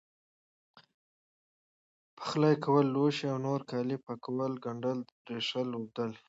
پخلی کول لوښي او نور کالي پاکول، ګنډل، رېشل، ووبدل،